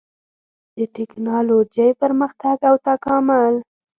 د ټېکنالوجۍ پرمختګ او تکامل